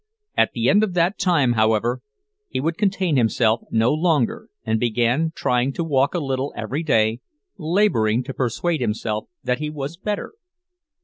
At the end of that time, however, he could contain himself no longer, and began trying to walk a little every day, laboring to persuade himself that he was better.